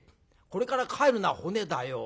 これから帰るのは骨だよ。